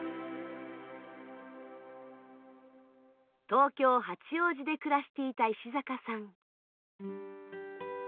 東京・八王子で暮らしていた石坂さん。